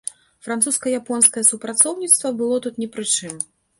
Французска-японскае супрацоўніцтва было тут не пры чым.